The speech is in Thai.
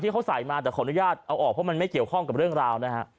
เขาใส่มาแต่ขออนุญาตเอาออกเพราะมันไม่เกี่ยวข้องกับเรื่องราวนะฮะ